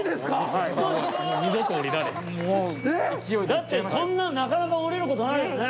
だってこんなんなかなかおりることないよね。